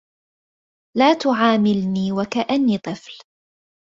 لا تعاملني وكأني طفل.